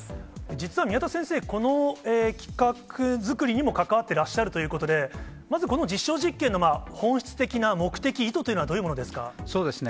実は宮田先生、この規格作りにも関わってらっしゃるということで、まずこの実証実験の本質的な目的、意図というのはどういうものですか。